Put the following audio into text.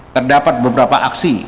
terdapat beberapa aksi